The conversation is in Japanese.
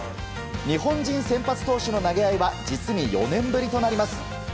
日本人先発投手の投げ合いは実に４年ぶりとなります。